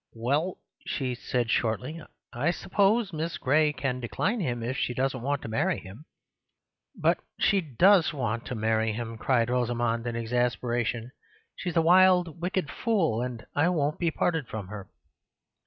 "Well," she said shortly, "I suppose Miss Gray can decline him if she doesn't want to marry him." "But she DOES want to marry him!" cried Rosamund in exasperation. "She's a wild, wicked fool, and I won't be parted from her."